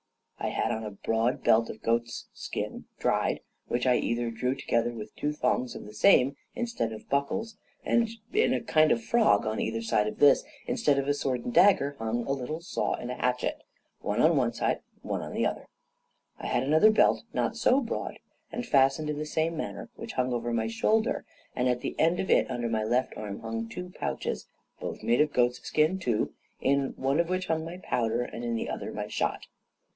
I had on a broad belt of goat's skin dried, which I drew together with two thongs of the same instead of buckles, and in a kind of a frog on either side of this, instead of a sword and dagger, hung a little saw and a hatchet, one on one side and one on the other. I had another belt not so broad, and fastened in the same manner, which hung over my shoulder, and at the end of it, under my left arm, hung two pouches, both made of goat's skin, too, in one of which hung my powder, in the other my shot.